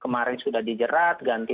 kemarin sudah dijerat ganti